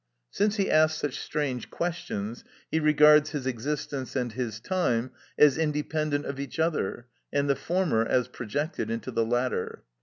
Since he asks such strange questions, he regards his existence and his time as independent of each other, and the former as projected into the latter.